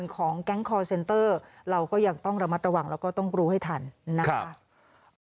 ก็แบบเออมีแบงค์อีกแบงค์อีกแบงค์อะไรผมก็บอกเขาไป